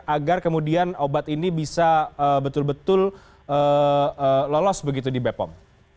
agar kemudian obat ini bisa betul betul lolos begitu di bepom